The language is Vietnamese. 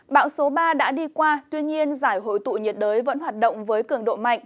bão số ba đã đi qua tuy nhiên giải hội tụ nhiệt đới vẫn hoạt động với cường độ mạnh